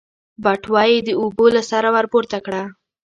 بټوه يې د اوبو له سره ورپورته کړه.